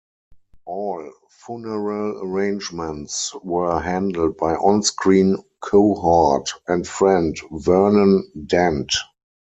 All funeral arrangements were handled by onscreen cohort and friend Vernon Dent.